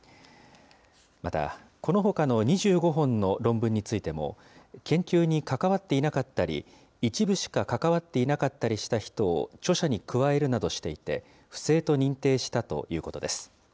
またこのほかの２５本の論文についても、研究に関わっていなかったり、一部しか関わっていなかったりした人を著者に加えるなどしていて、不正と認定したということです。